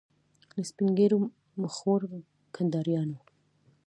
له سپین ږیرو مخورو کنداریانو.